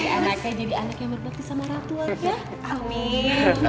semoga anaknya jadi anak yang berbakti sama ratuan ya